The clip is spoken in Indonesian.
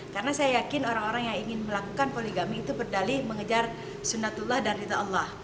karena saya yakin orang orang yang ingin melakukan poligami berdali mengejar sunnatullah dan rida allah